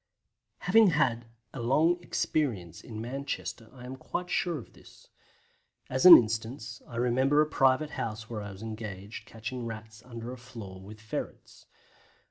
Having had a long experience in Manchester I am quite sure of this. As an instance, I remember a private house where I was engaged catching Rats under a floor with ferrets.